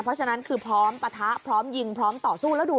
เพราะฉะนั้นคือพร้อมปะทะพร้อมยิงพร้อมต่อสู้แล้วดู